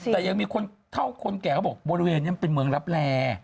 แต่ยังมีคนเท่าคนแก่เขาบอกบริเวณนี้มันเป็นเมืองรับแร่